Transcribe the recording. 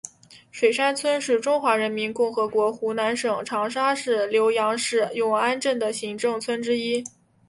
水山村是中华人民共和国湖南省长沙市浏阳市永安镇的行政村之一。